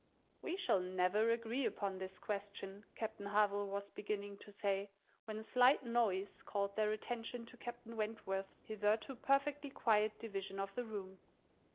"We shall never agree upon this question," Captain Harville was beginning to say, when a slight noise called their attention to Captain Wentworth's hitherto perfectly quiet division of the room.